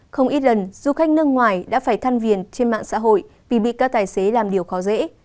không ít lần du khách nước ngoài đã phải thăn viền trên mạng xã hội vì bị các tài xế làm điều khó dễ